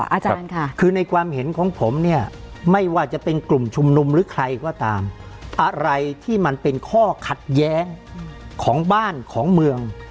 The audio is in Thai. อาจารย์ค่ะคือในความเห็นของผมเนี่ยไม่ว่าจะเป็นกลุ่มชุมนุมหรือใครก็ตามอะไรที่มันเป็นข้อขัดแย้งของบ้านของเมือง